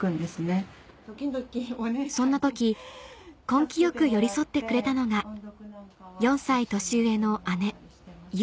そんな時根気よく寄り添ってくれたのが４歳年上の姉佑